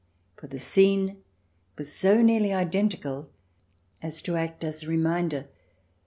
For the scene was so nearly identical as to act as a reminder.